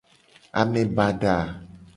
Ame bada a.